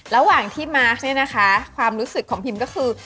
ระหว่างที่มาร์คเนี่ยนะคะความรู้สึกของพิมก็คือ